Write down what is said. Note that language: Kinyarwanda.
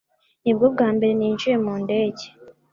Nibwo bwa mbere ninjiye mu ndege.